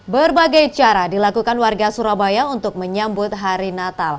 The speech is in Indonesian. berbagai cara dilakukan warga surabaya untuk menyambut hari natal